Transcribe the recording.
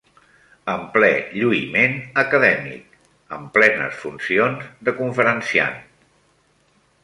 ...en ple lluïment acadèmic, en plenes funcions de conferenciant.